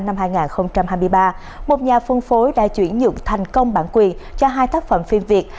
năm hai nghìn hai mươi ba một nhà phân phối đã chuyển nhượng thành công bản quyền cho hai tác phẩm phim việt